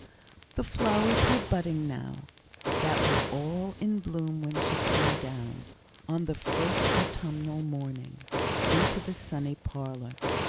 The flowers were budding now, that were all in bloom when she came down, on the first autumnal morning, into the sunny parlour.